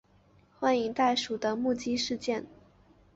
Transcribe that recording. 幻影袋鼠的目击事件。